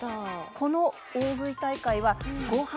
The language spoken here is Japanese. この大食い大会はご飯